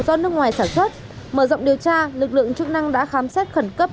do nước ngoài sản xuất mở rộng điều tra lực lượng chức năng đã khám xét khẩn cấp